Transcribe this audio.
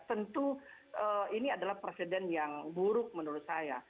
tentu ini adalah presiden yang buruk menurut saya